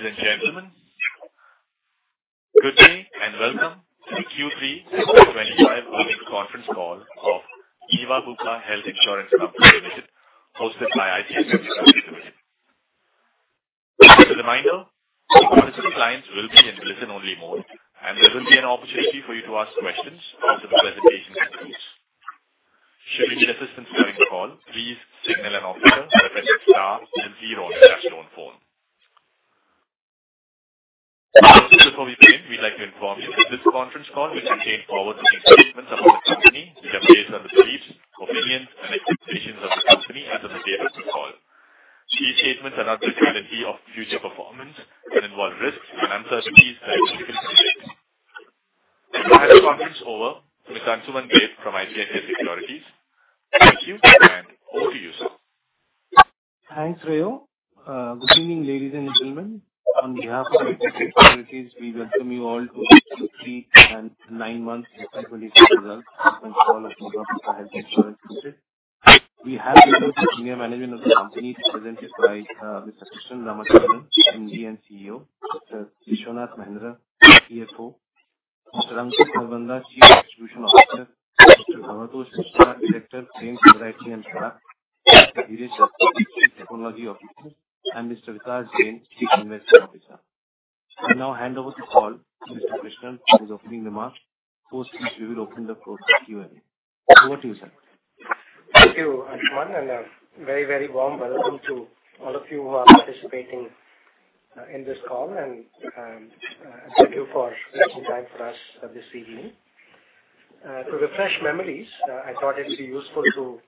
Ladies and gentlemen, good day and welcome to the Q3 FY25 conference call of Niva Bupa Health Insurance Company Limited, hosted by ICICI Securities. As a reminder, the participant lines will be in listen-only mode, and there will be an opportunity for you to ask questions after the presentation concludes. Should you need assistance during the call, please press zero on your phone. Just before we begin, we'd like to inform you that this conference call will contain forward-looking statements about the company, which are based on the beliefs, opinions, and expectations of the company as of the date of the call. These statements are not guarantees of future performance and involve risks and uncertainties that cannot be predicted. To hand the conference over to Mr. Ansuman Deb from ICICI Securities. Thank you and over to you. Thanks, Rayo. Good evening, ladies and gentlemen. On behalf of ICICI Securities, we welcome you all to the Q3 and nine-month disclosed-only results conference call of Niva Bupa Health Insurance Company. We have the senior management of the company represented by Mr. Krishnan Ramachandran, MD and CEO, Mr. Vishwanath Mahendra, CFO, Mr. Ankur Kharbanda, Chief Distribution Officer, Mr. Bhabatosh Mishra, Director of Underwriting, Products, and Claims, Mr. Gireesh Kumar, Chief Technology Officer, and Mr. Vikas Jain, Chief Investment Officer. We now hand over the call to Mr. Krishnan for his opening remarks. After this, we will open the Q&A. Over to you, sir. Thank you, Ankur, and a very, very warm welcome to all of you who are participating in this call, and thank you for making time for us this evening. To refresh memories, I thought it would be useful to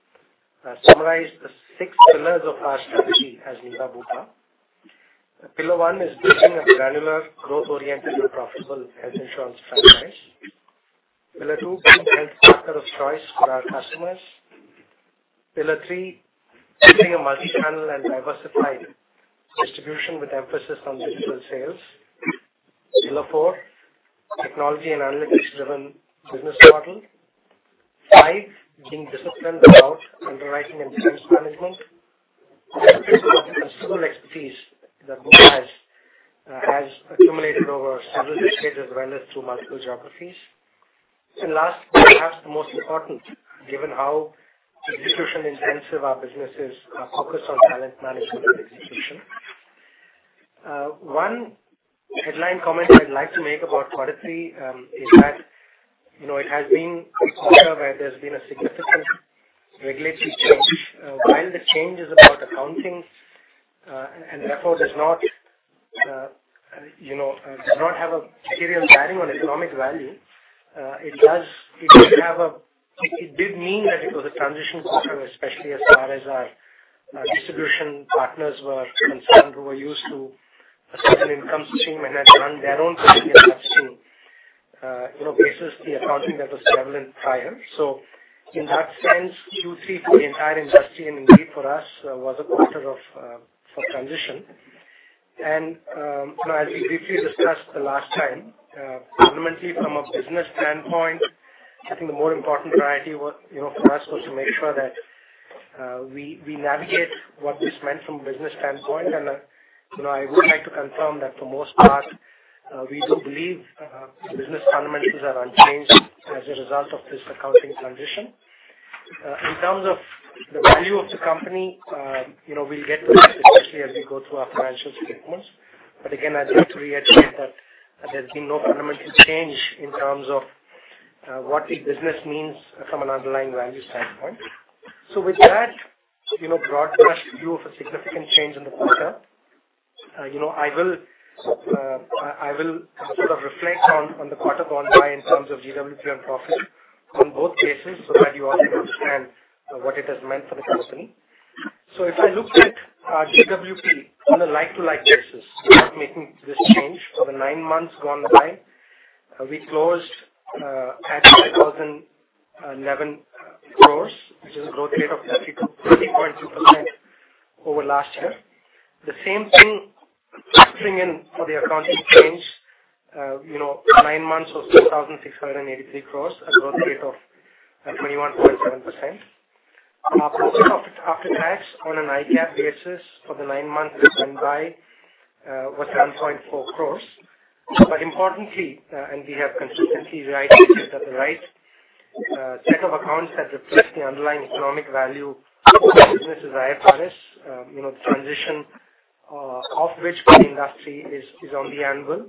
summarize the six pillars of our strategy as Niva Bupa. Pillar one is building a granular, growth-oriented, and profitable health insurance franchise. Pillar two: being a health partner of choice for our customers. Pillar three: building a multi-channel and diversified distribution with emphasis on digital sales. Pillar four: technology and analytics-driven business model. Five: being disciplined about underwriting and claims management. The sense of customer expertise that Bupa has accumulated over several decades as well as through multiple geographies, and last, perhaps the most important, given how execution-intensive our business is, focused on talent management and execution. One headline comment I'd like to make about quarter three is that it has been a quarter where there's been a significant regulatory change. While the change is about accounting and therefore does not have a material bearing on economic value, it did mean that it was a transition quarter, especially as far as our distribution partners were concerned, who were used to a certain income stream and had run their own particular industry, versus the accounting that was prevalent prior. So in that sense, Q3 for the entire industry and indeed for us was a quarter of transition, and as we briefly discussed the last time, fundamentally, from a business standpoint, I think the more important priority for us was to make sure that we navigate what this meant from a business standpoint. I would like to confirm that for the most part, we do believe business fundamentals are unchanged as a result of this accounting transition. In terms of the value of the company, we'll get to that specifically as we go through our financial statements. Again, I'd like to reiterate that there's been no fundamental change in terms of what the business means from an underlying value standpoint. With that broadest view of a significant change in the quarter, I will sort of reflect on the quarter gone by in terms of GWP and profit on both bases so that you also understand what it has meant for the company. If I look at GWP on a like-for-like basis, without making this change, for the nine months gone by, we closed at 2,011 crores, which is a growth rate of 30.2% over last year. The same thing factoring in for the accounting change, nine months was 2,683 crores, a growth rate of 21.7%. Our profit after tax on an Indian GAAP basis for the nine months that went by was 7.4 crores. But importantly, and we have consistently reiterated that the right set of accounts that reflect the underlying economic value of the business is IFRS, the transition of which for the industry is on the annual.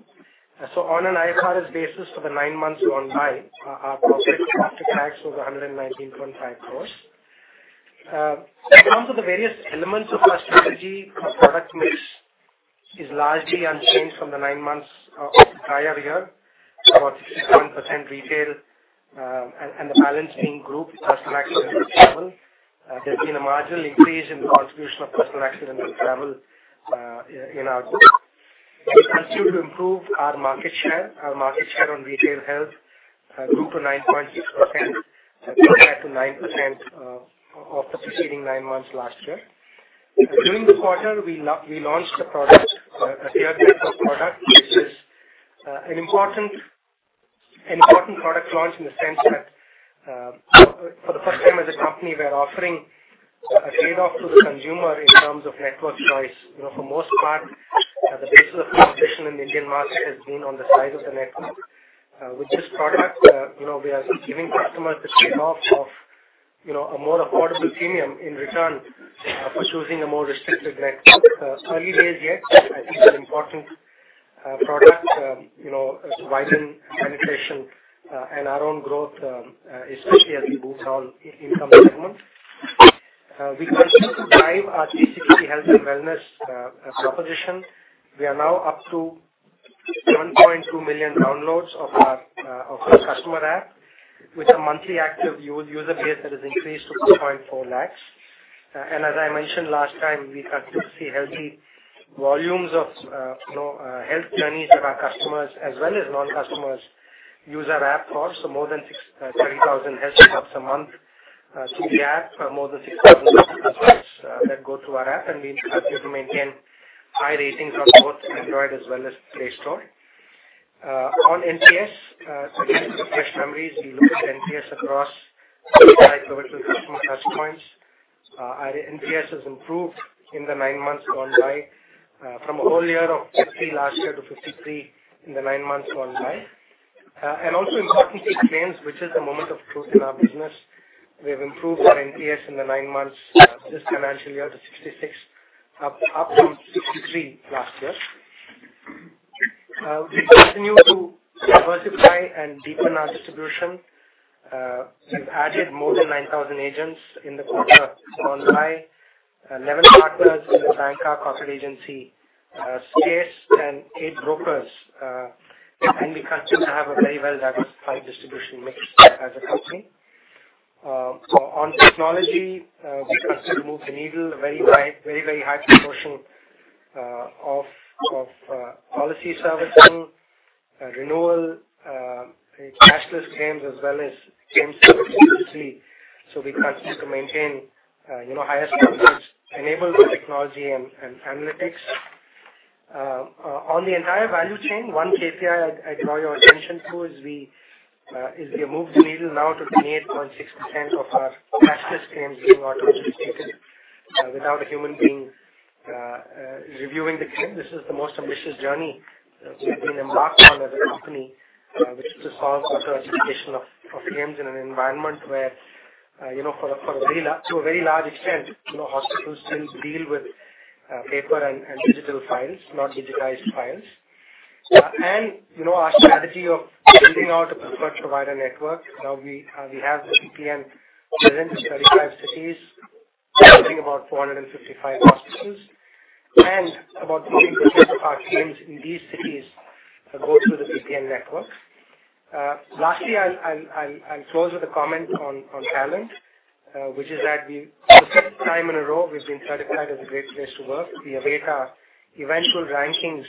So on an IFRS basis for the nine months gone by, our profit after tax was 119.5 crores. In terms of the various elements of our strategy, our product mix is largely unchanged from the nine months of the prior year, about 67% retail, and the balance being group with personal accidents and travel. There's been a marginal increase in the contribution of personal accidents and travel in our group. We continue to improve our market share. Our market share on retail health grew to 9.6%, compared to 9% of the preceding nine months last year. During the quarter, we launched a product, a tiered-network product, which is an important product launch in the sense that for the first time as a company, we are offering a trade-off to the consumer in terms of network choice. For the most part, the basis of competition in the Indian market has been on the size of the network. With this product, we are giving customers the trade-off of a more affordable premium in return for choosing a more restricted network. Early days yet, I think it's an important product to widen penetration and our own growth, especially as we move down income segment. We continue to drive our GCP health and wellness proposition. We are now up to 1.2 million downloads of our customer app, with a monthly active user base that has increased to 2.4 lakhs. And as I mentioned last time, we continue to see healthy volumes of health journeys that our customers, as well as non-customers, use our app for. So more than 30,000 health stops a month through the app, more than 6,000 customers that go through our app, and we continue to maintain high ratings on both Android as well as Play Store. On NPS, again, to refresh memories, we looked at NPS across customer touchpoints. NPS has improved in the nine months gone by, from a whole year of 50 last year to 53 in the nine months gone by. And also importantly, claims, which is the moment of truth in our business, we have improved our NPS in the nine months this financial year to 66, up from 63 last year. We continue to diversify and deepen our distribution. We've added more than 9,000 agents in the quarter gone by, 11 partners in the bancassurance corporate agency space, and eight brokers. And we continue to have a very well-diversified distribution mix as a company. On technology, we continue to move the needle very high, very, very high proportion of policy servicing, renewal, cashless claims, as well as claims services. So we continue to maintain higher standards, enable technology and analytics. On the entire value chain, one KPI, I draw your attention to is we have moved the needle now to 28.6% of our cashless claims being auto-adjudicated without a human being reviewing the claim. This is the most ambitious journey we've been embarked on as a company, which is to solve auto-adjudication of claims in an environment where, to a very large extent, hospitals still deal with paper and digital files, not digitized files. Our strategy of building out a preferred provider network, now we have the PPN present in 35 cities, covering about 455 hospitals, and about 14% of our claims in these cities go through the PPN network. Lastly, I'll close with a comment on talent, which is that for the fifth time in a row, we've been certified as a great place to work. We await our eventual rankings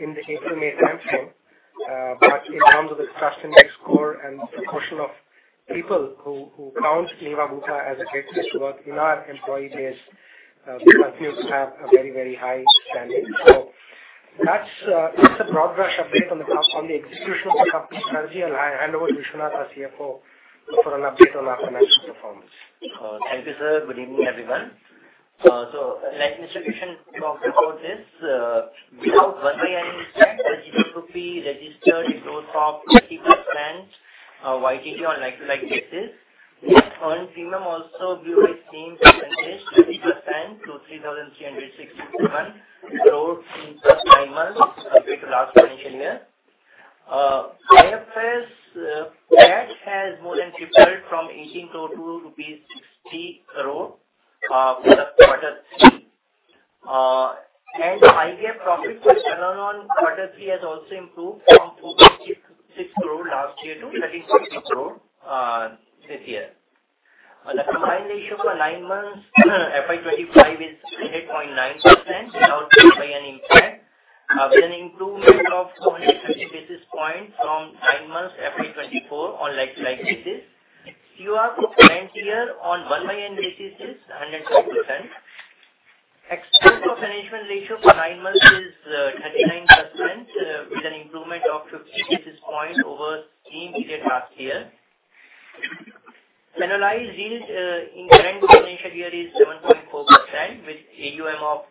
in the April to May timeframe, but in terms of the trust index score and the proportion of people who count Niva Bupa as a great place to work, in our employee base, we continue to have a very, very high standard. So that's a broad brush update on the execution of the company strategy, and I'll hand over to Vishwanath, our CFO, for an update on our financial performance. Thank you, sir. Good evening, everyone. So let me switch and talk about this. Without 1/365 by any stretch, GWP registered in those top 20 plus plans, YTD on like-for-like basis. Net earned premium also grew by same percentage, 20% to INR 3,361 crores in the nine months compared to last financial year. IFRS cash has more than tripled from 18 crores to rupees 260 crores for the quarter three. And Indian GAAP profit for the nine months quarter three has also improved from 466 crores last year to 1,350 crores this year. The combined ratio for nine months FY 2025 is 100.9% without 1/365 impact, with an improvement of 270 basis points from nine months FY 2024 on like-for-like basis. Combined ratio for the nine months on one-by-one basis is 105%. Expenses of Management ratio for nine months is 39%, with an improvement of 50 basis points over the same period last year. Investment yield in current financial year is 7.4%, with AUM of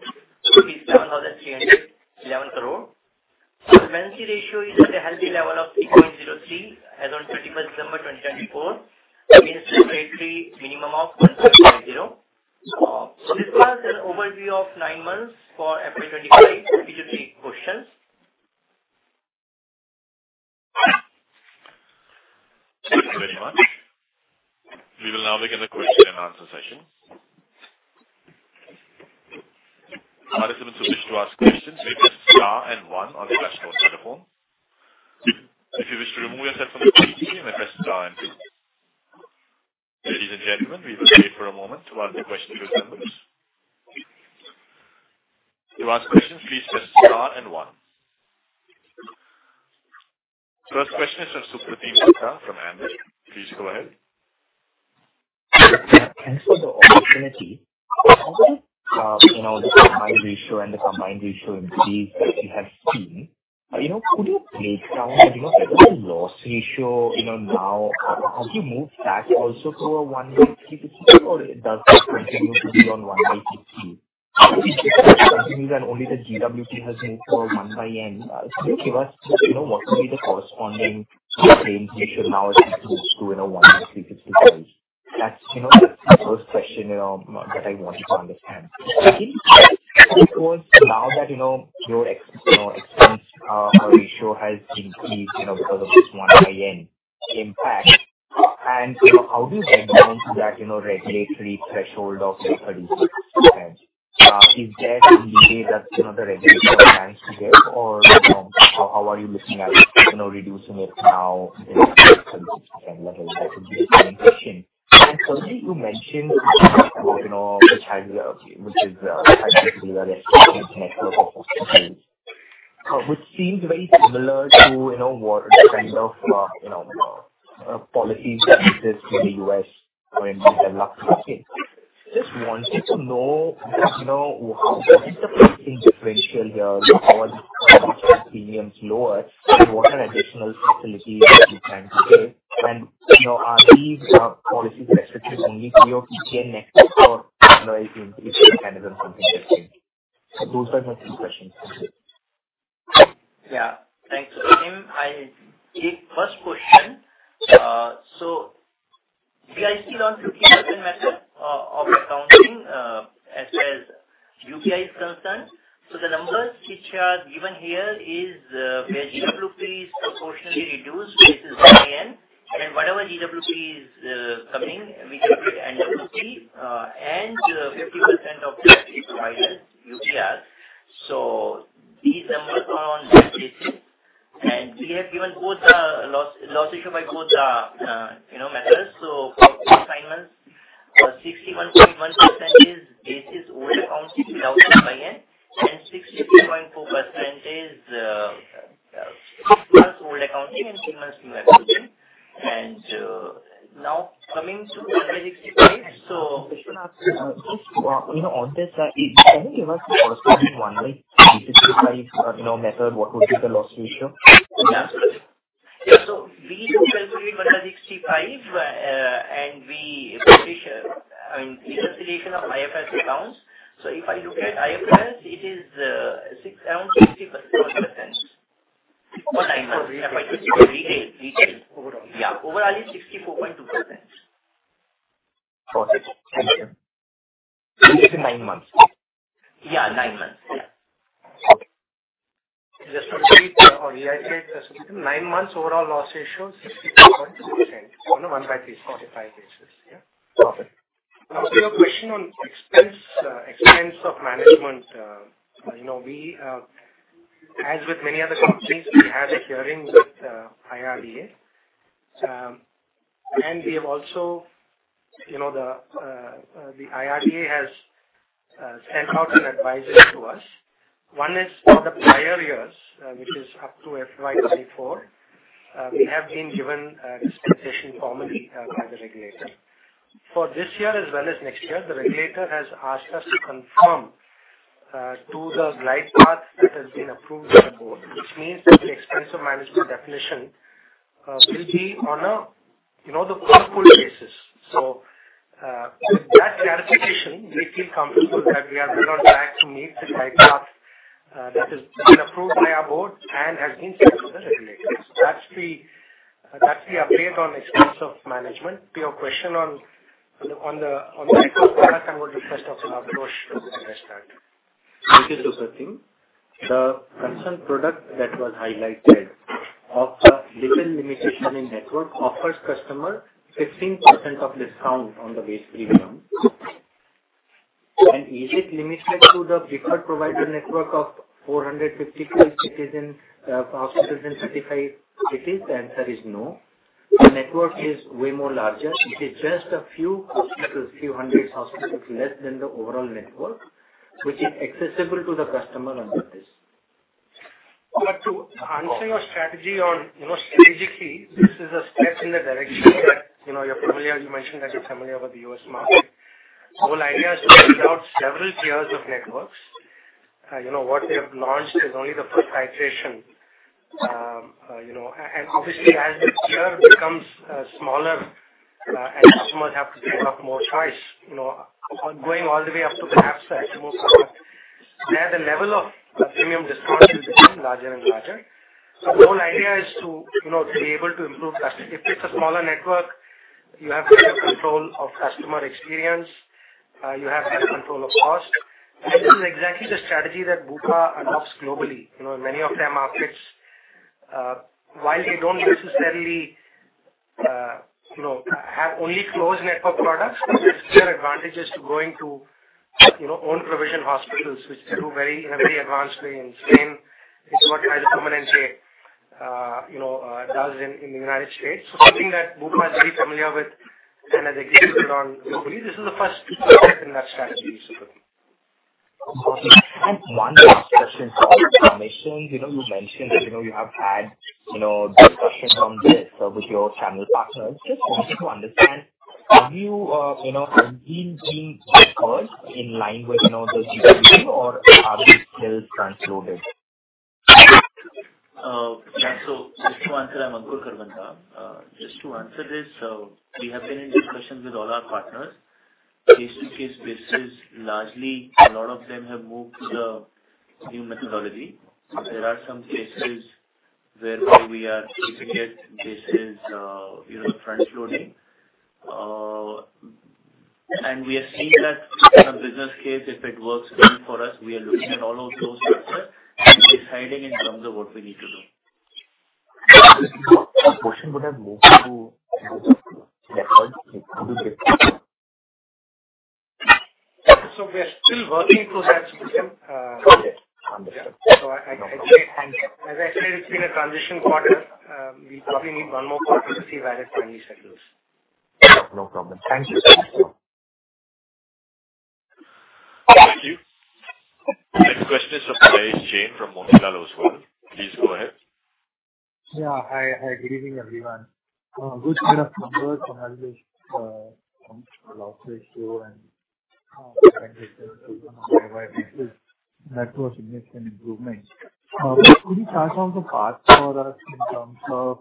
57,311 crores. Solvency ratio is at a healthy level of 3.03 as of 21st December 2024, against a statutory minimum of 1.50. This was an overview of nine months for April 25. Happy to take questions. Thank you very much. We will now begin the question and answer session. Participants who wish to ask questions may press star and one on the dashboard telephone. If you wish to remove yourself from the screen, you may press star and two. Ladies and gentlemen, we will wait for a moment to allow the questions to be resumed. To ask questions, please press star and one. First question is from Supratim Datta from Ambit Capital. Please go ahead. Thanks for the opportunity. Also, this combined ratio and the combined ratio increase that we have seen, could you break down a bit of the loss ratio now? Has it moved back also to 150%, or does it continue to be on 150%? I think it continues, and only the GWP has moved to a 1/365. Could you give us what would be the corresponding claims we should now attempt to move to in a 1/365 case? That's the first question that I wanted to understand. Second, of course, now that your expense ratio has increased because of this 1/365 impact, how do you recommend that regulatory threshold of 36%? Is there some leeway that the regulator plans to give, or how are you looking at reducing it now in the coming year? That would be my question. Certainly, you mentioned the Kaiser, which is a particularly well-respected network of hospitals, which seems very similar to what kind of policies exist in the U.S. or in developed countries. Just wanted to know, what is the pricing differential here? What is the cost of premiums lower? What are additional facilities that you plan to give? And are these policies restricted only to your PPN network or is it an all-inclusive mechanism, something different? Those are my three questions for today. Yeah. Thanks, Supratim. I'll take the first question. So we are still on 50% method of accounting as far as UPR is concerned. So the numbers which are given here is where GWP is proportionally reduced versus 100. And whatever GWP is coming, we can put NWP and 50% of the premium, UPR. So these numbers are on that basis. And we have given both the loss ratio by both the methods. So for 9 months, 61.1% is basis old accounting without 1/365, and 62.4% is 9 months old accounting and 3 months new accounting. And now coming to 1/365. So Vishwanath, on this, can you give us the corresponding 1/365 method? What would be the loss ratio? Yeah. Yeah. So we calculate 1/365, and we put it, I mean, reconciliation of IFRS accounts. So if I look at IFRS, it is around 64% for 9 months. Retail, retail. Yeah. Overall, it's 64.2%. Okay. Thank you. So this is in nine months? Yeah. Nine months. Yeah. Okay. Just to repeat or reiterate, nine months overall loss ratio, 64.2% on a one-by-45 basis. Yeah. Okay. Also, your question on expense of management, as with many other companies, we have a hearing with IRDA, and we have also, the IRDA has sent out an advisory to us. One is for the prior years, which is up to FY 2024. We have been given a dispensation formally by the regulator. For this year as well as next year, the regulator has asked us to conform to the glide path that has been approved by the board, which means that the expense of management definition will be on a four-fold basis, so with that clarification, we feel comfortable that we are well on track to meet the glide path that has been approved by our board and has been sent to the regulator, so that's the update on expense of management. Your question on the network product, I would request Mr. Bhabatosh to address that. Thank you, Supratim. The concerned product that was highlighted, with the little limitation in network, offers customer 15% discount on the base premium. And is it limited to the preferred provider network of 450 cities and hospitals in 35 cities? The answer is no. The network is way more larger. It is just a few hospitals, a few hundred hospitals less than the overall network, which is accessible to the customer under this. But to answer your strategy on strategically, this is a step in the direction that you're familiar. You mentioned that you're familiar with the US market. The whole idea is to build out several tiers of networks. What we have launched is only the first tier. And obviously, as the tier becomes smaller and customers have to give up more choice, going all the way up to perhaps a small product, there the level of premium discount will become larger and larger. So the whole idea is to be able to improve that. If it's a smaller network, you have better control of customer experience. You have better control of cost. And this is exactly the strategy that Bupa adopts globally. In many of their markets, while they don't necessarily have only closed network products, there are advantages to going to own-provision hospitals, which they do in a very advanced way in Spain. It's what Kaiser Permanente does in the United States. So something that Bupa is very familiar with and has executed on globally. This is the first step in that strategy, Supratim. Awesome, and one last question for information. You mentioned that you have had discussions on this with your channel partners. Just wanted to understand, have you been being referred in line with the GWP, or are they still diluted? Yeah, so just to answer, I'm Ankur Kharbanda. Just to answer this, we have been in discussions with all our partners. Case-to-case basis, largely, a lot of them have moved to the new methodology. There are some cases whereby we are looking at basis transfer loading, and we have seen that in a business case, if it works well for us, we are looking at all of those factors and deciding in terms of what we need to do. A question would have moved to network. How do you get to that? So we are still working through that, Supratim. Okay. Understood. So I think it's been a transition quarter. We probably need one more quarter to see where it finally settles. No problem. Thank you so much. Thank you. Next question is from Darshan from Motilal Oswal as well. Please go ahead. Yeah. Hi. Good evening, everyone. Good to hear from you from the last ratio and the transition to one-by-one basis. That was a significant improvement. Could you touch on the path for us in terms of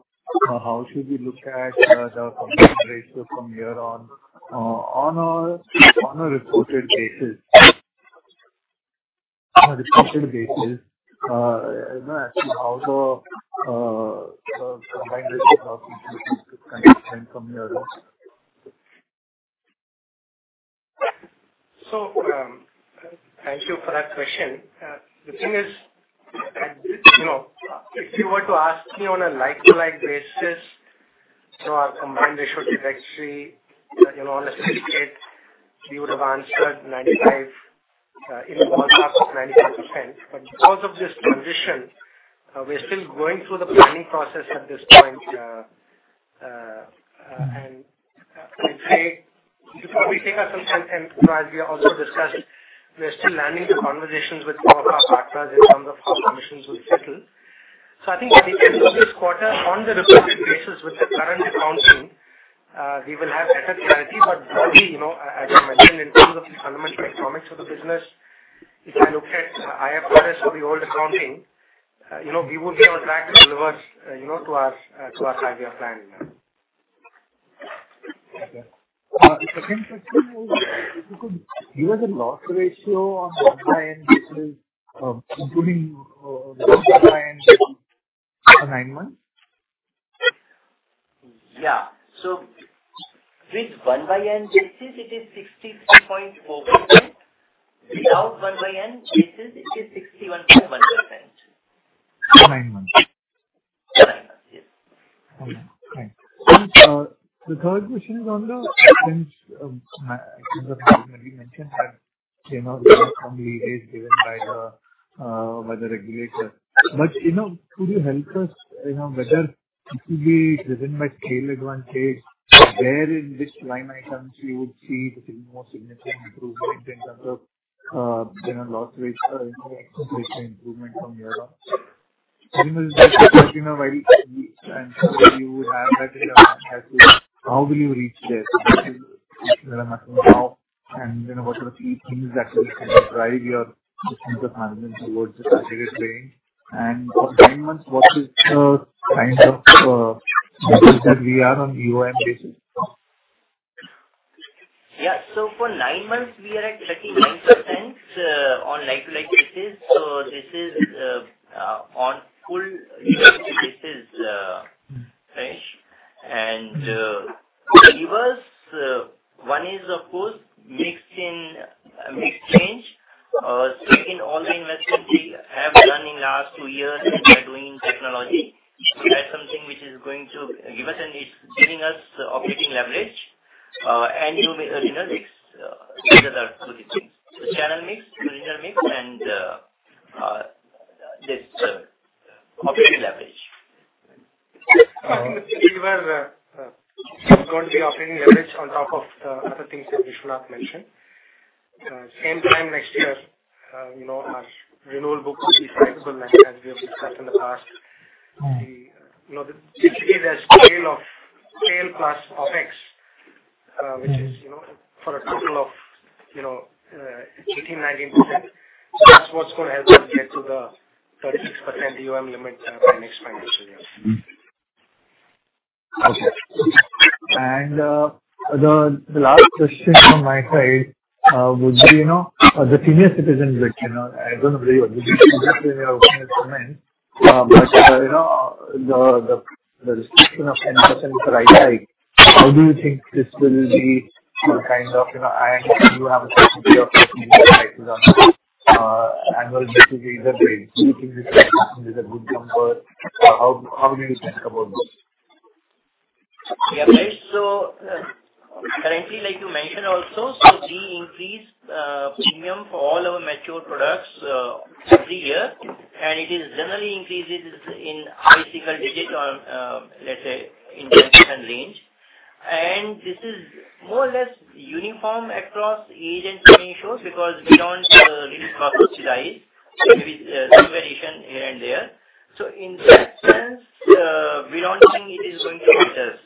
how should we look at the ratio from here on on a reported basis? On a reported basis, actually, how the combined ratio looks from here on? Thank you for that question. The thing is, if you were to ask me on a like-for-like basis, our combined ratio trajectory on an IFRS, we would have answered 95 in all caps, 95%. But because of this transition, we're still going through the planning process at this point, and I'd say it will probably take us some time as we also discussed. We're still learning the conversations with some of our partners in terms of how conditions will settle, so I think at the end of this quarter, on the reported basis with the current accounting, we will have better clarity, but broadly, as you mentioned, in terms of the fundamental economics of the business, if I look at IFRS for the old accounting, we will be on track to deliver to our five-year plan. Thank you. Second question is, given the loss ratio on one-by-one basis, including one-by-one on nine months? Yeah. With 1/365 basis, it is 63.4%. Without 1/365 basis, it is 61.1%. Nine months. Nine months, yes. Okay. Thanks. The third question is on the expense that you mentioned, but from the leeway given by the regulator. But could you help us whether it could be driven by scale advantage? Where in which line items you would see the most significant improvement in terms of loss ratio improvement from here on? I think that while you would have that in your hand, how will you reach there? What are the key things that you think will be key things that will drive your expense of management towards the targeted way? And for nine months, what is the kind of method that we are on EOM basis? Yeah, so for nine months, we are at 39% on like-for-like basis, so this is on full basis finished, and give us one is, of course, mix change. Second, all the investments we have done in the last two years in rewiring technology, so that's something which is going to give us, and it's giving us operating leverage, and mix are two different things, so channel mix, product mix, and this operating leverage. We were going to be operating leverage on top of the other things that Vishwanath mentioned. Same time next year, our renewal book will be sizable, as we have discussed in the past. The scale of sale plus OpEx, which is for a total of 18-19%, that's what's going to help us get to the 36% EoM limit by next financial year. Okay. The last question from my side would be the senior citizen bit. I don't know whether you agree with this in your opening comment, but the restriction of 10% per ITI, how do you think this will be kind of, and do you have a certainty of the senior citizen on annual basis either with increasing restrictions with a good number? How do you think about this? Yeah. So currently, like you mentioned also, so we increase premium for all our mature products every year. And it is generally increased in high single digit or, let's say, in the 8-to-10 range. And this is more or less uniform across age and financial because we don't really cross-fertilize. Maybe some variation here and there. So in that sense, we don't think it is going to hurt us.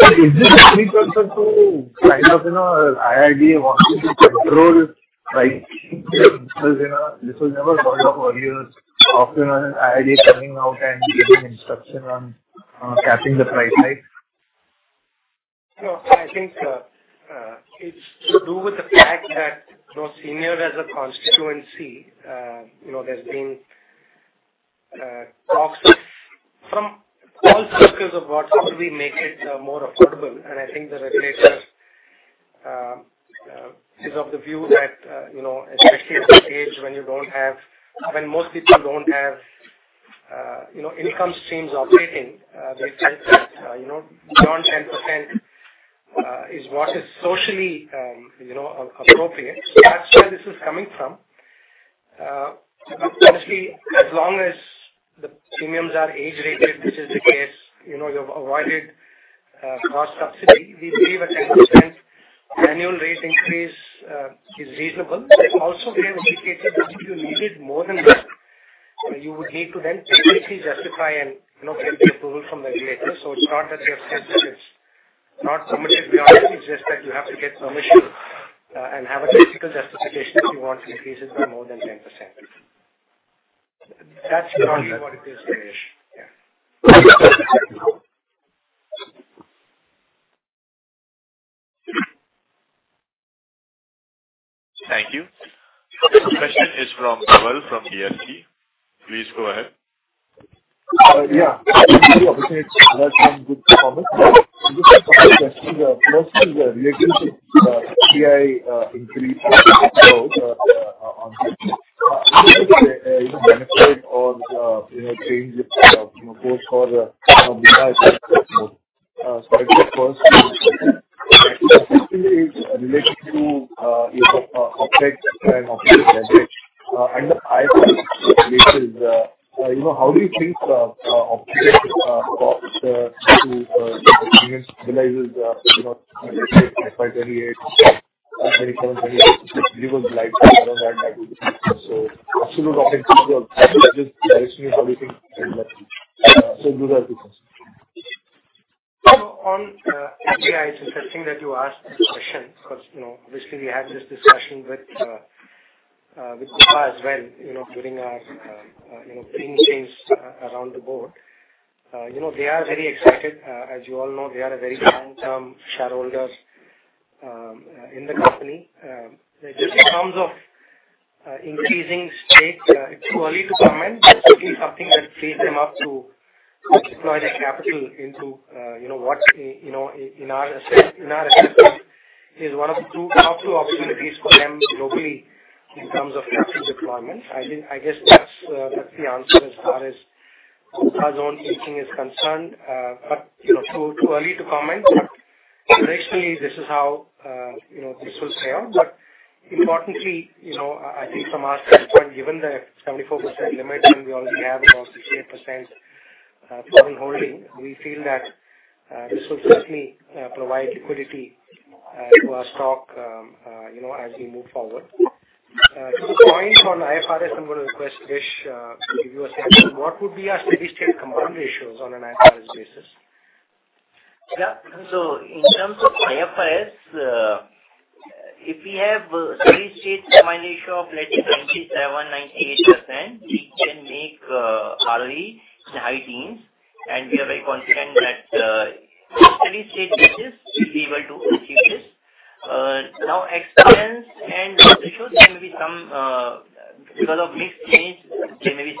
So is this a key concern to kind of IRDA wanting to control price? This was never brought up earlier of IRDA coming out and giving instruction on capping the price? I think it's to do with the fact that those seniors as a constituency, there's been talks from all circles of what could we make it more affordable. I think the regulator is of the view that, especially at the stage when you don't have, when most people don't have income streams operating, they think that beyond 10% is what is socially appropriate. That's where this is coming from. Honestly, as long as the premiums are age-rated, which is the case, you've avoided cost subsidy. We believe a 10% annual rate increase is reasonable. Also, we have indicated that if you needed more than that, you would need to then technically justify and get the approval from the regulator. So it's not that they have said that it's not permitted by our rules, just that you have to get permission and have a technical justification if you want to increase it by more than 10%. That's currently what it is, Darshan. Yeah. Thank you. The next question is from Roel from BSC. Please go ahead. Yeah. I think the opportunity is good performance. Just to see the relationship to the PI increase on benefit or change of course for Niva Bupa Health. So I think first, related to OPEX and OPEX leverage under IFRS basis, how do you think OPEX cost to senior stabilizers like FY 2027, FY 2028, give us the lifetime around that? So absolute OPEX, just the question is, how do you think so those are the questions. FYI, it's interesting that you asked this question because obviously, we had this discussion with Bupa as well during our team change around the board. They are very excited. As you all know, they are a very long-term shareholder in the company. Just in terms of increasing stake, it's too early to comment. It's something that frees them up to deploy their capital into what in our assessment is one of the top two opportunities for them globally in terms of capital deployment. I guess that's the answer as far as our own thinking is concerned. But too early to comment. But traditionally, this is how this will play out. But importantly, I think from our standpoint, given the 74% limit and we already have about 68% foreign holding, we feel that this will certainly provide liquidity to our stock as we move forward. To the point on IFRS, I'm going to request Vishawa to give you a sample. What would be our steady-state combined ratios on an IFRS basis? Yeah. So in terms of IFRS, if we have a steady-state combined ratio of, let's say, 97%-98%, we can make ROE in high teens. And we are very confident that steady-state basis will be able to achieve this. Now, expense and ratios, there may be some because of mixed change, there may be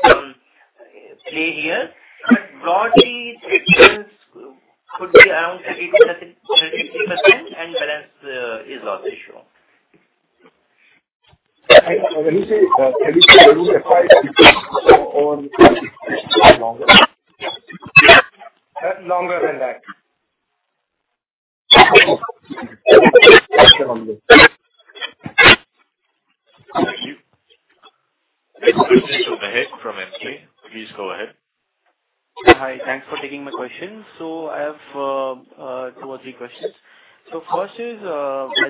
some play here. But broadly, the expense could be around 38% and balance is loss ratio. When you say steady-state, it would be a 5% or longer? Yeah. Longer than that. Thank you. This is Behak from FG. Please go ahead. Hi. Thanks for taking my question. So I have two or three questions. So first is, as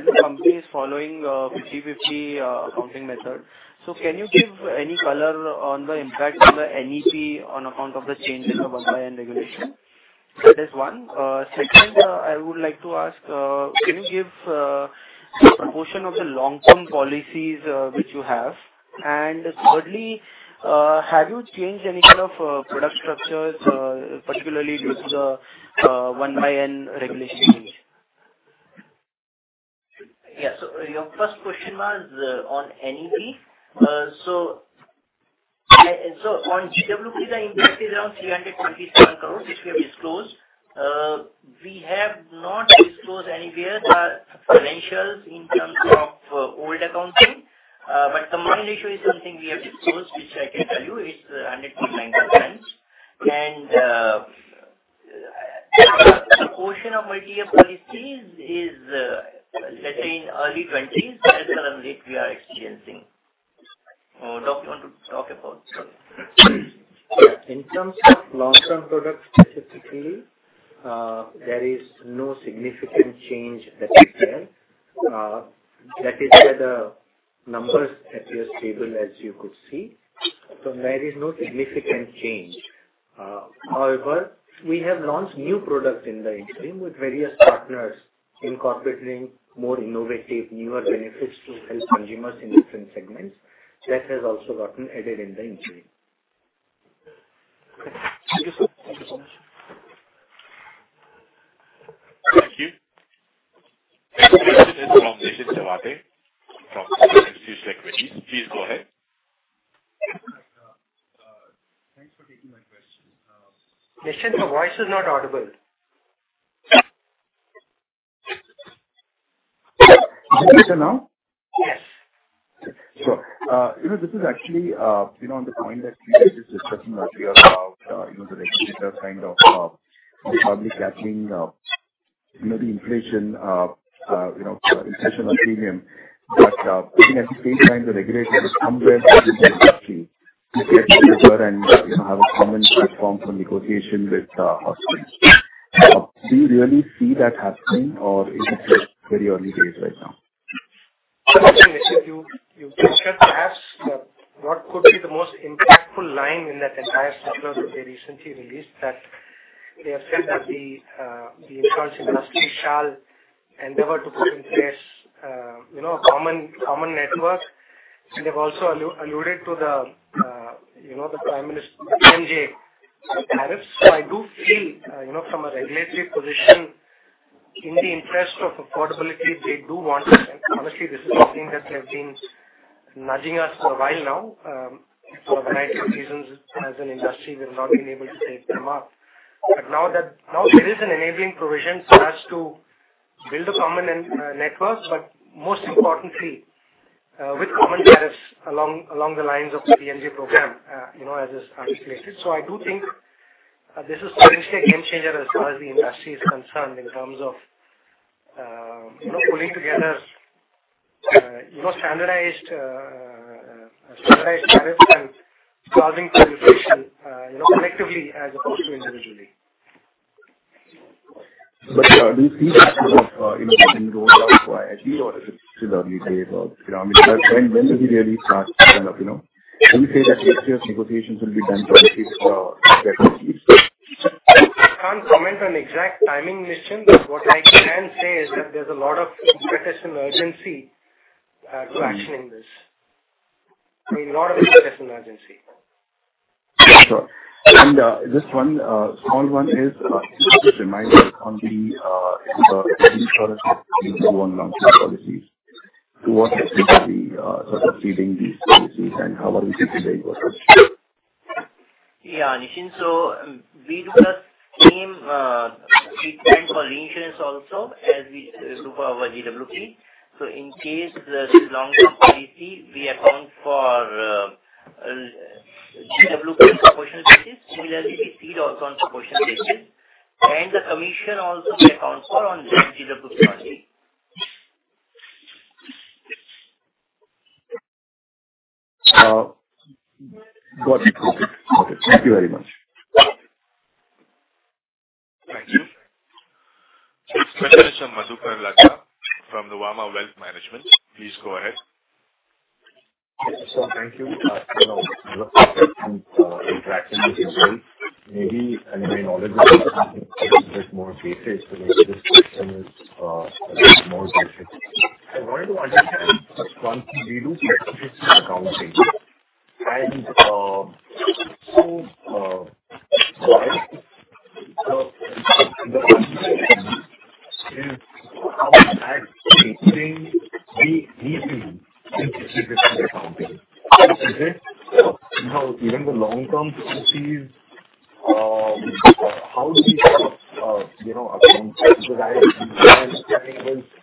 the company is following 50/50 accounting method, so can you give any color on the impact on the NEP on account of the change in the 1/365 regulation? That is one. Second, I would like to ask, can you give the proportion of the long-term policies which you have? And thirdly, have you changed any kind of product structures, particularly due to the 1/365 regulation change? Yeah. So your first question was on NEP. So on GWP, the impact is around 327 crores, which we have disclosed. We have not disclosed anywhere the financials in terms of old accounting. But combined ratio is something we have disclosed, which I can tell you is 129%. And the proportion of multi-year policies is, let's say, in early 20s, that's the rate we are experiencing. What do you want to talk about? Yeah. In terms of long-term product specifically, there is no significant change that we've done. That is why the numbers appear stable, as you could see. So there is no significant change. However, we have launched new products in the interim with various partners incorporating more innovative, newer benefits to help consumers in different segments. That has also gotten added in the interim. Okay. Thank you so much. Question is from Nischint Chawathe. From Kotak Institutional Equities. Please go ahead. Thanks for taking my question. Nischint, your voice is not audible. Is it now? Yes. So this is actually on the point that we were just discussing earlier about the regulator kind of publicly capping the inflation of premium. But I think at the same time, the regulator would come with the industry to get together and have a common platform for negotiation with customers. Do you really see that happening, or is it just very early days right now? I think if you discuss perhaps what could be the most impactful line in that entire circular that they recently released, that they have said that the insurance industry shall endeavor to put in place a common network, and they've also alluded to the PM-JAY. I do feel from a regulatory position, in the interest of affordability, they do want to. Honestly, this is something that they've been nudging us for a while now for a variety of reasons. As an industry, we have not been able to take them up, but now there is an enabling provision for us to build a common network, but most importantly, with common tariffs along the lines of the PM-JAY program, as is articulated. I do think this is potentially a game changer as far as the industry is concerned in terms of pulling together standardized tariffs and solving for inflation collectively as opposed to individually. But do you see that sort of getting rolled out for IIT, or is it still early days? When does it really start to kind of? Did you say that next year's negotiations will be done for the next year's? I can't comment on exact timing, Nischint. But what I can say is that there's a lot of interest and urgency to action in this. I mean, a lot of interest and urgency. Sure. And just one small one is, just a reminder, on the insurance, you do want long-term policies. To what extent are we sort of feeding these policies, and how are we feeding the investments? Yeah, Nischint. So we do the same treatment for reinsurance also as we do for our GWP. So in case there is a long-term policy, we account for GWP on a proportional basis. Similarly, we cede on a proportional basis. And the commission also we account for on the GWP policy. Got it. Okay. Thank you very much. Thank you. Next, Madhukar Ladha from Nuvama Wealth Management. Please go ahead. Thank you. So I'm interacting with you both. Maybe my knowledge is a little bit more basic, so maybe this question is a bit more basic. I wanted to understand the concept we do for accounting. And so why is it so hard to understand how exactly we need to do accounting? Is it even the long-term policies? How do we account? Because I understand that at least for the 5%, why does MC change in this accounting? Yeah, sure. So in terms of the long-term policies, so earlier, it was considered whole amount as GWP. And let's say we were earning 50% of that and paying whole commission upfront. Now what happens is premium gets spread over the number of years. Let's say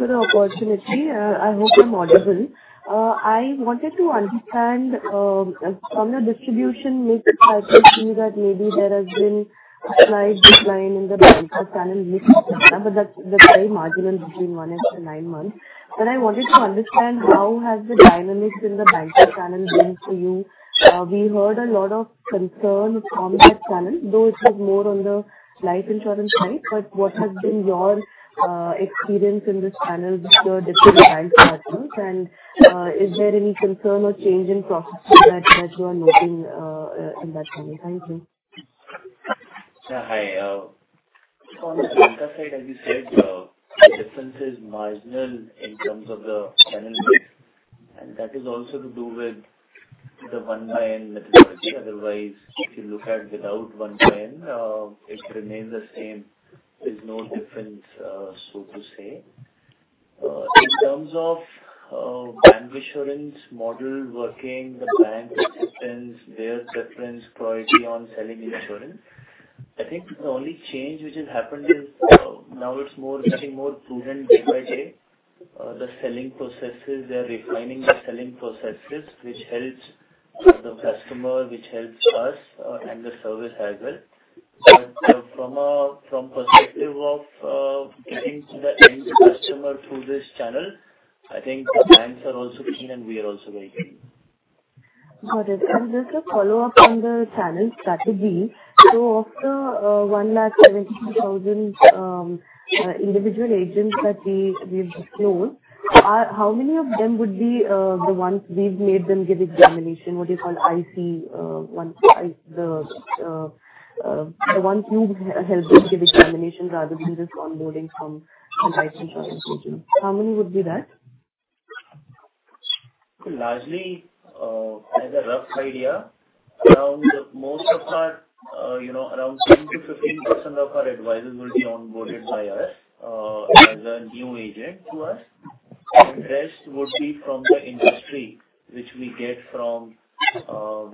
Thank you for the opportunity. I hope I'm audible. I wanted to understand from the distribution mix that you see that maybe there has been a slight decline in the bank channel mix for Niva, but that's very marginal between one and nine months. Then I wanted to understand how has the dynamics in the bank channel been for you? We heard a lot of concern on that channel, though it was more on the life insurance side. But what has been your experience in this channel with the different bank partners? And is there any concern or change in processes that you are noting in that channel? Thank you. Yeah. Hi. On the bank side, as you said, the difference is marginal in terms of the channel mix. And that is also to do with the one-by-one methodology. Otherwise, if you look at it without one-by-one, it remains the same. There's no difference, so to say. In terms of bank insurance model working, the bank acceptance, their preference, priority on selling insurance, I think the only change which has happened is now it's getting more prudent day by day. The selling processes, they're refining the selling processes, which helps the customer, which helps us and the service as well. But from a perspective of getting to the end customer through this channel, I think the banks are also keen, and we are also very keen. Got it, and just a follow-up on the channel strategy, so of the 172,000 individual agents that we've disclosed, how many of them would be the ones we've made them give examination, what do you call it, IC-38, the one for health insurance giving examination rather than just onboarding from life insurance agents? How many would be that? Largely, as a rough idea, around most of our 10%-15% of our advisors will be onboarded by us as a new agent to us, and the rest would be from the industry, which we get from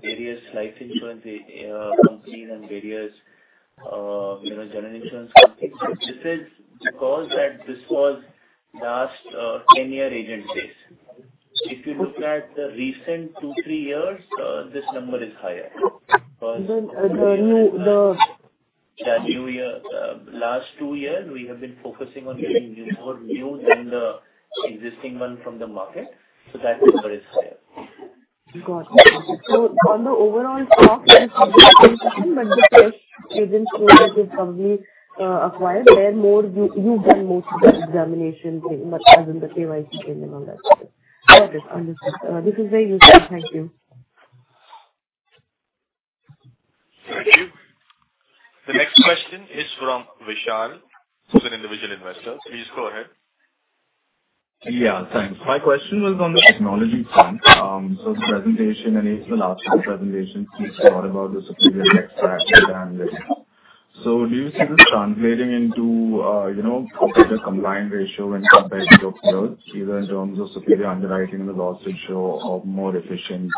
various life insurance companies and various general insurance companies. This is because this was last 10-year agent base. If you look at the recent two, three years, this number is higher because. The new. Yeah, new year. Last two years, we have been focusing on getting more new than the existing one from the market. So that number is higher. Got it. So on the overall stock, it's the same channel, but the first agent closes is probably acquired. Therefore, you've done most of the examination thing, as in the KYC thing and all that stuff. Got it. Understood. This is very useful. Thank you. Thank you. The next question is from Vishal. He's an individual investor. Please go ahead. Yeah. Thanks. My question was on the technology front. So the presentation and even the last presentation speaks a lot about the superior tech stack and things. So do you see this translating into a better combined ratio when compared to your peers, either in terms of superior underwriting and the loss ratio or more efficient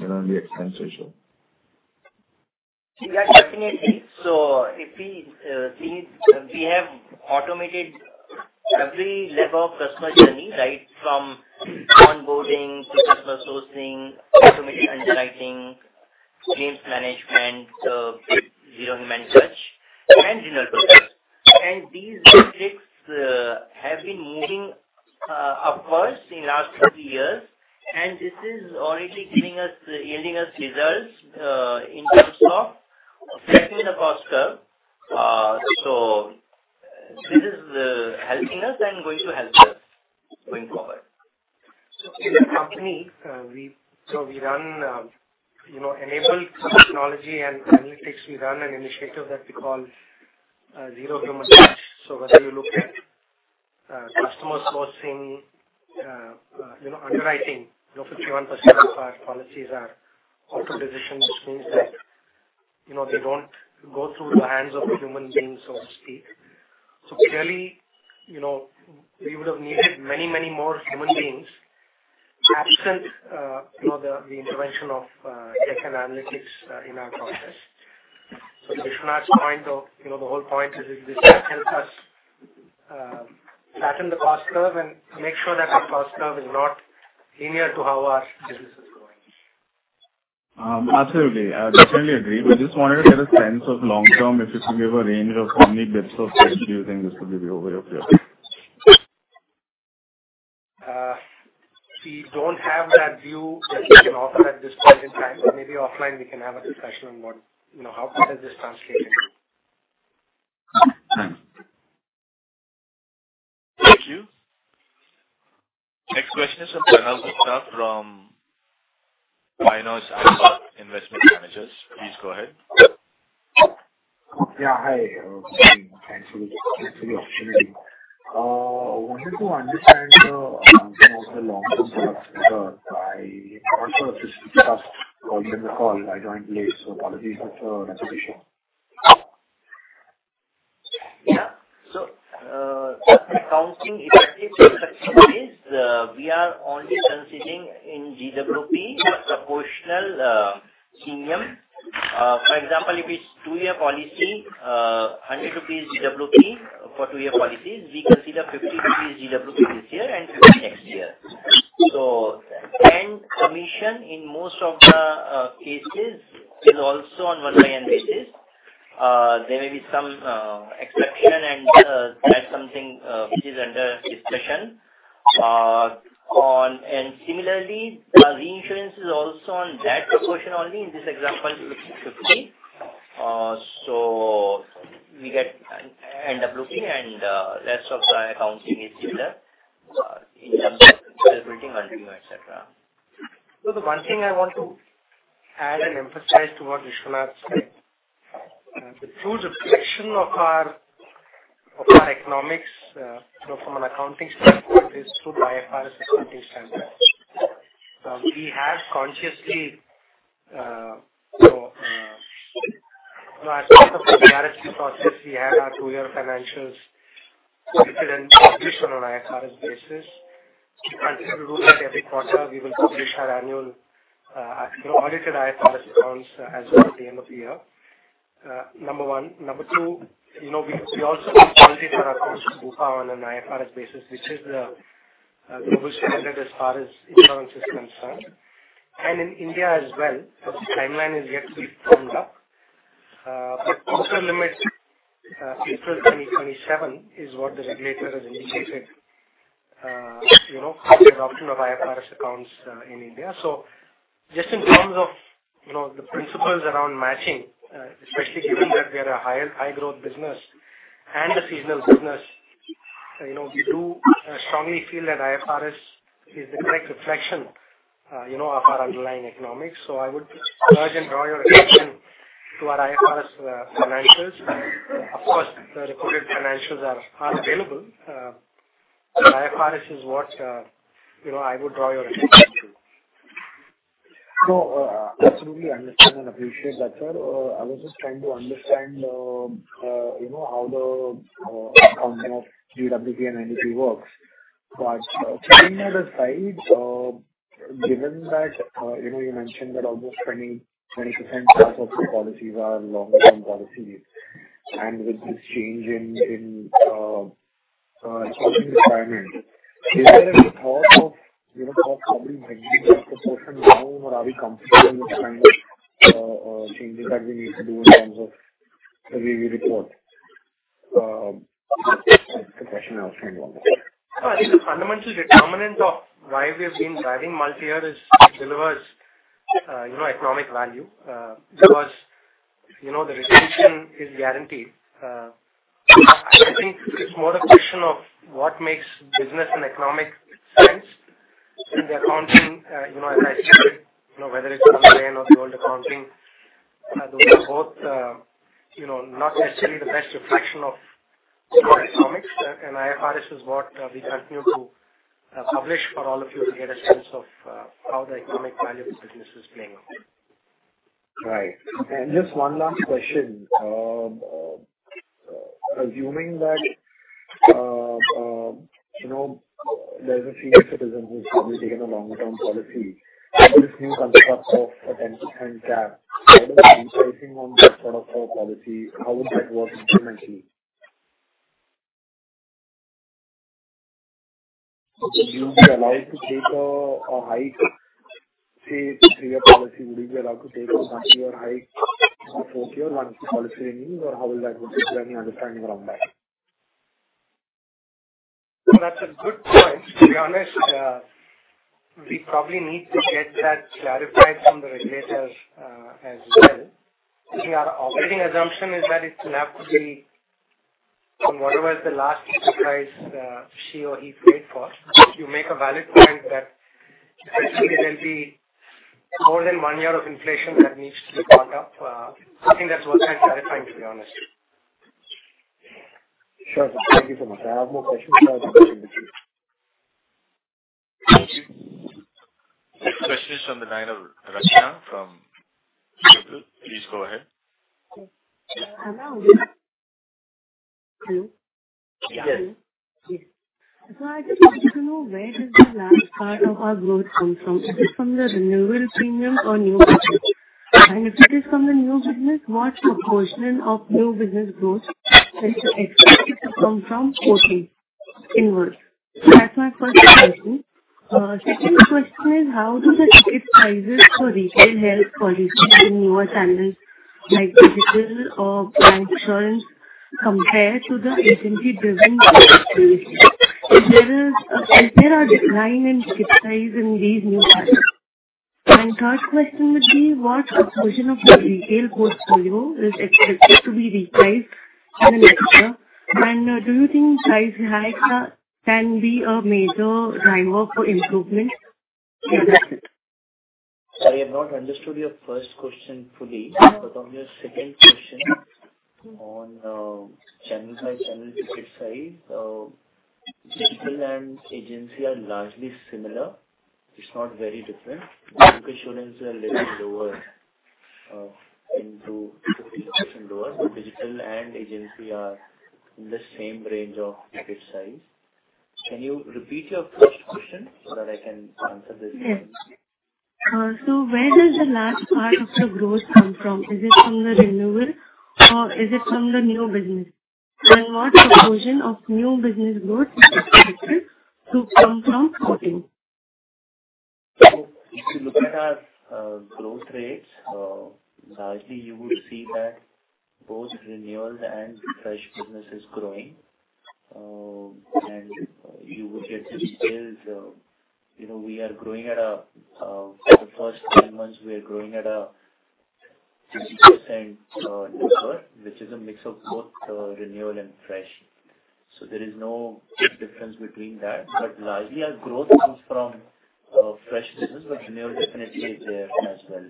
in the expense ratio? Yeah, definitely. So we have automated every level of customer journey, right, from onboarding to customer sourcing, automated underwriting, claims management, zero-human touch, and renewal process. And these metrics have been moving upwards in the last two years. And this is already yielding us results in terms of flattening the cost curve. So this is helping us and going to help us going forward. So in the company, we run enabled technology and analytics. We run an initiative that we call zero-human touch. So whether you look at customer sourcing, underwriting, 51% of our policies are automated decisions, which means that they don't go through the hands of human beings, so to speak. So clearly, we would have needed many, many more human beings absent the intervention of tech and analytics in our process. So Vishwa has coined the whole point is this can help us flatten the cost curve and make sure that the cost curve is not linear to how our business is growing. Absolutely. I definitely agree. We just wanted to get a sense of long-term. If you can give a range of how many bits of tech you're using, this would be the overall view. We don't have that view that we can offer at this point in time, but maybe offline, we can have a discussion on how does this translate into? Thanks. Thank you. Next question is from Pranav Gupta from Alchemy Capital Management. Please go ahead. Yeah. Hi. Thanks for the opportunity. I wanted to understand the accounting of the long-term stock curve. I also just stopped calling on the call. I joined late, so apologies for the repetition. Yeah. So, accounting is at this stage. We are only considering in GWP proportional premium. For example, if it's a two-year policy, 100 rupees GWP for two-year policies, we consider 50 rupees GWP this year and 50 next year. So, commission in most of the cases is also on 1/365 basis. There may be some exception, and that's something which is under discussion and similarly, reinsurance is also on that proportion only. In this example, it looks like 50. So, we end up looking, and the rest of the accounting is similar in terms of disability, non-premium, etc. The one thing I want to add and emphasize to what Vishwanath has said, the true reflection of our economics from an accounting standpoint is through IFRS accounting standpoint. We have consciously set our IFRS process. We have our two-year financials listed and published on an IFRS basis. We continue to do that every quarter. We will publish our annual audited IFRS accounts as of the end of the year. Number one. Number two, we also have policies that are published by Bupa on an IFRS basis, which is the global standard as far as insurance is concerned. And in India as well, the timeline is yet to be firmed up. But the quarter from April 2027 is what the regulator has indicated for the adoption of IFRS accounts in India. So just in terms of the principles around matching, especially given that we are a high-growth business and a seasonal business, we do strongly feel that IFRS is the correct reflection of our underlying economics. So I would urge and draw your attention to our IFRS financials. Of course, the reported financials are available. The IFRS is what I would draw your attention to. So absolutely understand and appreciate that, sir. I was just trying to understand how the accounting of GWP and NWP works. But keeping that aside, given that you mentioned that almost 20% of the policies are long-term policies, and with this change in accounting requirements, is there any thought of possibly bringing that proportion down, or are we comfortable with kind of changes that we need to do in terms of the review report? That's the question I was trying to understand. I think the fundamental determinant of why we have been driving multi-year is delivers economic value because the retention is guaranteed. I think it's more a question of what makes business and economic sense. And the accounting, as I said, whether it's 1/365 or the old accounting, those are both not necessarily the best reflection of economics. And IFRS is what we continue to publish for all of you to get a sense of how the economic value of the business is playing out. Right. And just one last question. Assuming that there's a senior citizen who's probably taken a long-term policy, this new construct of a 10% cap, how does the repricing on this sort of policy how would that work instrumentally? Would you be allowed to take a hike, say, to three-year policy? Would you be allowed to take a one-year hike, a four-year, one-year policy renewal, or how will that work? Do you have any understanding around that? That's a good point. To be honest, we probably need to get that clarified from the regulator as well. The operating assumption is that it's enough to be on whatever is the last price she or he paid for. You make a valid point that there will be more than one year of inflation that needs to be caught up. I think that's worth clarifying, to be honest. Sure. Thank you so much. I have no questions, sir. I appreciate it. Thank you. Next question is from the line of Rachna from Bupa. Please go ahead. Hello. Hello? Yes. Yes. Yes. So I just wanted to know where does the last part of our growth come from? Is it from the renewal premium or new business? And if it is from the new business, what proportion of new business growth does it expect to come from? 14% inwards. So that's my first question. Second question is, how do the ticket prices for retail health policies in newer channels like digital or bank assurance compare to the agency-driven policies? If there is a decline in ticket price in these new channels. And third question would be, what proportion of the retail portfolio is expected to be repriced in the next year? And do you think price hikes can be a major driver for improvement? And that's it. Sorry, I've not understood your first question fully. But on your second question on channel-by-channel ticket size, digital and agency are largely similar. It's not very different. Bupa is a little lower, 10%-15% lower. So digital and agency are in the same range of ticket size. Can you repeat your first question so that I can answer this question? Yes. So where does the last part of the growth come from? Is it from the renewal, or is it from the new business? And what proportion of new business growth is expected to come from 14? If you look at our growth rates, largely you would see that both renewal and fresh business is growing. You would get the details. We are growing at 50% for the first 10 months, which is a mix of both renewal and fresh. There is no difference between that. Largely, our growth comes from fresh business, but renewal definitely is there as well.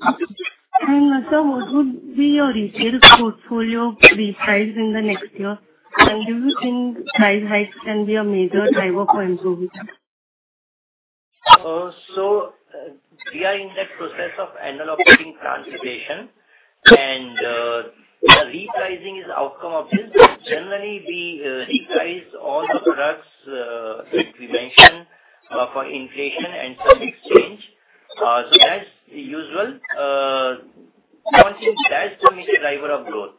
And sir, what would be your retail portfolio repriced in the next year? And do you think price hikes can be a major driver for improvement? So we are in that process of annual operating translation. And repricing is the outcome of this. Generally, we reprice all the products that we mentioned for inflation and some changes. So that's the usual. One thing, that's the major driver of growth.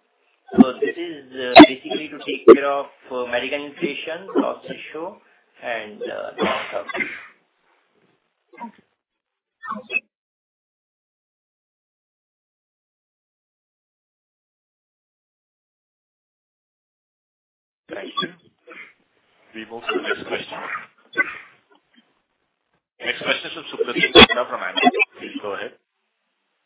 So this is basically to take care of medical inflation, cost issue, and downturn. Thank you. We move to the next question. Next question is from Supratim Datta from Ambit Capital. Please go ahead.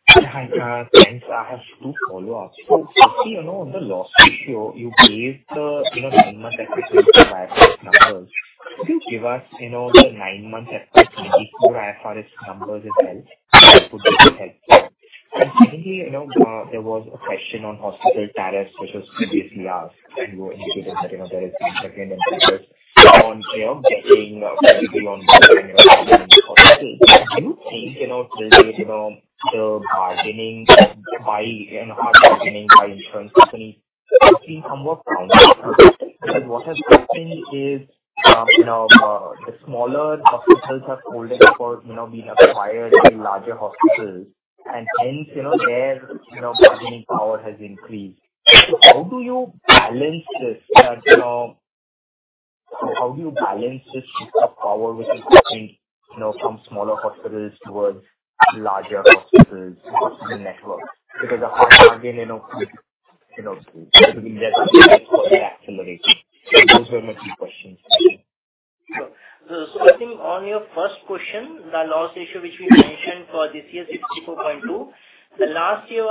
Hi, sir. Thanks. I have two follow-ups. So firstly, on the loss ratio, you gave the nine-month FY 2025 numbers. Could you give us the nine-month FY 2024 IFRS numbers as well? That would be helpful. And secondly, there was a question on hospital tariffs, which was previously asked. And you indicated that there is a significant impetus on getting currently on board and hospitals. Do you think there is a hard bargaining by insurance companies? It's been somewhat counterproductive. And what has happened is the smaller hospitals have folded for being acquired by larger hospitals. And hence, their bargaining power has increased. How do you balance this? How do you balance this shift of power, which is happening from smaller hospitals towards larger hospitals' networks? Because a hard bargain typically gets the network accelerated. Those were my two questions. I think on your first question, the loss ratio, which we mentioned for this year 64.2%, the last year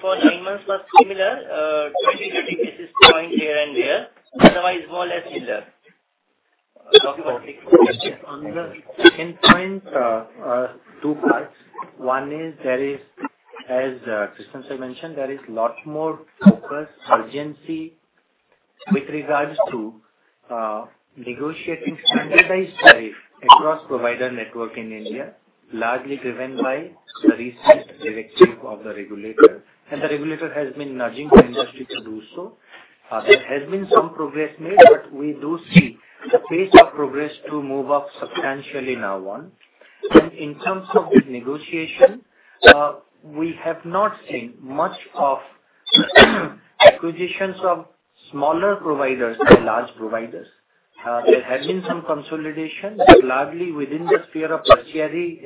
for nine months was similar. This is the point here and there. Otherwise, more or less similar. Talking about the big question. On the second point, two parts. One is, as Krishnan sir mentioned, there is a lot more focus, urgency with regards to negotiating standardized tariff across provider network in India, largely driven by the recent directive of the regulator. And the regulator has been nudging the industry to do so. There has been some progress made, but we do see the pace of progress to move up substantially now on. And in terms of the negotiation, we have not seen much of acquisitions of smaller providers by large providers. There has been some consolidation, but largely within the sphere of tertiary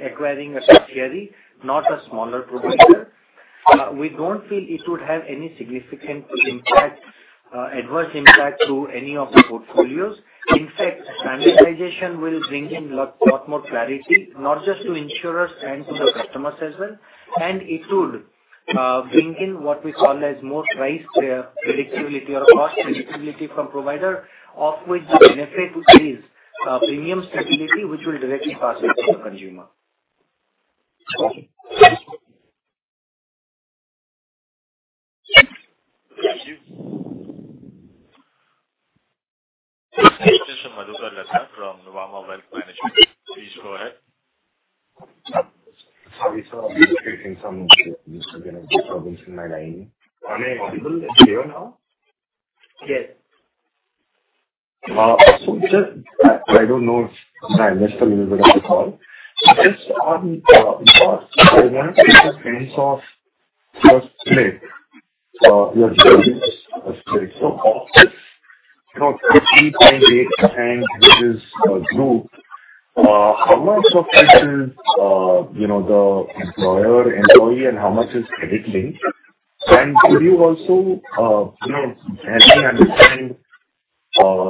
acquiring a tertiary, not a smaller provider. We don't feel it would have any significant impact, adverse impact to any of the portfolios. In fact, standardization will bring in a lot more clarity, not just to insurers and to the customers as well. It would bring in what we call as more price predictability or cost predictability from provider, of which the benefit is premium stability, which will directly pass on to the consumer. Thank you. Thank you. Next question is from Madhukar Ladha from Nuvama Wealth Management. Please go ahead. Sorry, sir. I'm just taking some notes. I'm getting some problems in my line. Are they audible and clear now? Yes. I don't know if the investor is able to hear. Just on your sense of first claim, your experience of first claim. This is a 3% and this is a group. How much of this is the employer-employee, and how much is credit-linked? Could you also help me understand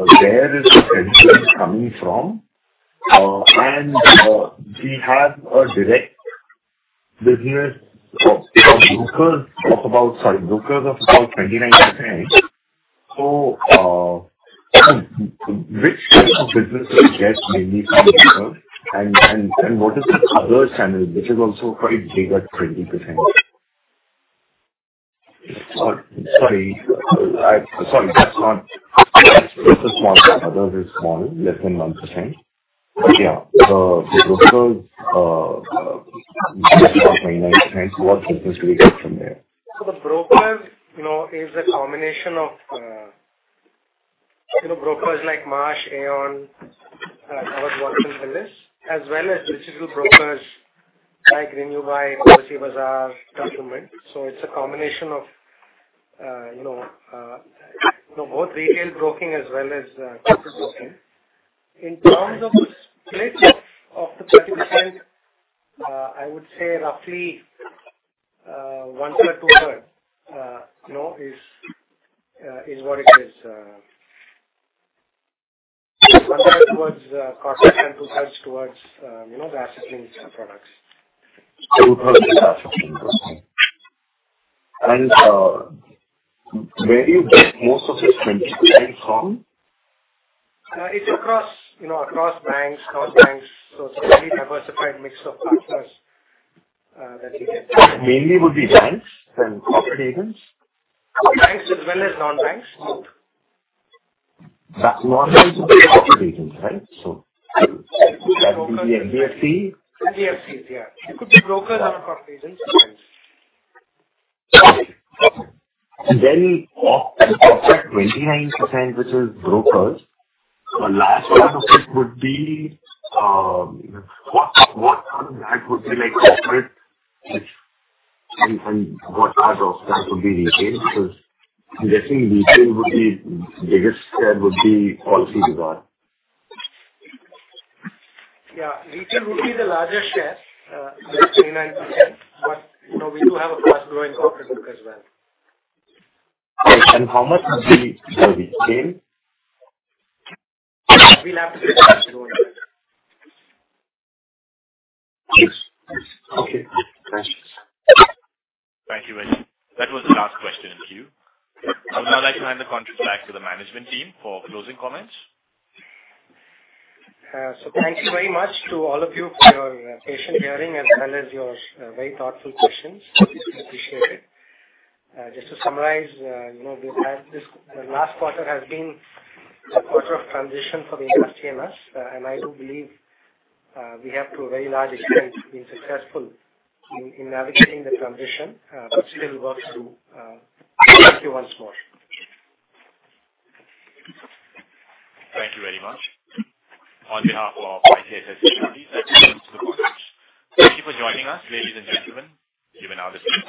where is the credit-linked coming from? We have a direct business or brokers of about 29%. Which type of business do you get mainly from brokers? What is the other channel, which is also quite big at 20%? The smaller others are small, less than 1%. Yeah. The brokers of 29%, what business do we get from there? So the broker is a combination of brokers like Marsh, Aon, like I was working with this, as well as digital brokers like RenewBuy, Policybazaar, Turtlemint. So it's a combination of both retail broking as well as consulting. In terms of the split of the 30%, I would say roughly 1/3, 2/3 is what it is. 1/3 towards corporate and 2/3 towards the asset-linked products. 2/3 of the asset-linked products. And where do you get most of this 20% from? It's across banks, non-banks, so it's a very diversified mix of partners that we get. Mainly would be banks and corporate agents? Banks as well as non-banks. Non-banks and corporate agents, right? So BFP? BFPs, yeah. It could be brokers or corporate agents. Then of the corporate 29%, which is brokers, the last part of it would be what part of that would be corporate, and what part of that would be retail? Because I'm guessing retail would be the biggest share Policybazaar. Yeah. Retail would be the larger share, the 29%, but we do have a fast-growing corporate group as well. And how much would be retail? We'll have to figure that out. Okay. Thanks. Thank you, Mad. That was the last question in queue. I would now like to hand the conference back to the management team for closing comments. So thank you very much to all of you for your patient hearing as well as your very thoughtful questions. We appreciate it. Just to summarize, the last quarter has been a quarter of transition for the industry and us, and I do believe we have, to a very large extent, been successful in navigating the transition, but still work to do once more. Thank you very much. On behalf of I-Sec, please accept the conference. Thank you for joining us, ladies and gentlemen. You may now disconnect.